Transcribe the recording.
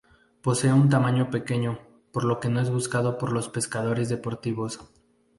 Posee un tamaño pequeño, por lo que no es buscado por los pescadores deportivos.